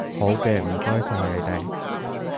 好嘅，唔該曬你哋